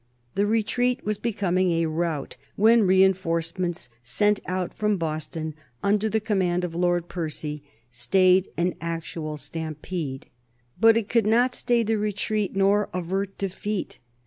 The retreat was becoming a rout when reinforcements sent out from Boston under the command of Lord Percy stayed an actual stampede. But it could not stay the retreat nor avert defeat.